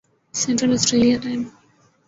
central Australia time